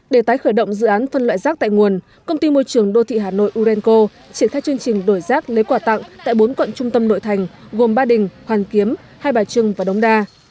để tái khởi động dự án phân loại rác tại nguồn công ty môi trường đô thị hà nội urenco triển khai chương trình đổi rác lấy quà tặng tại bốn quận trung tâm nội thành gồm ba đình hoàn kiếm hai bà trưng và đống đa